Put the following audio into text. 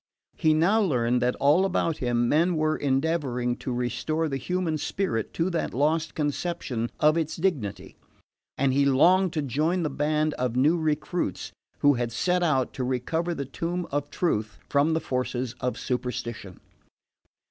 He now learned that all about him men were endeavouring to restore the human spirit to that lost conception of its dignity; and he longed to join the band of new crusaders who had set out to recover the tomb of truth from the forces of superstition.